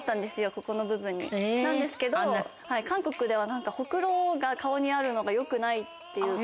ここの部分になんですけど韓国ではホクロが顔にあるのが良くないっていうか。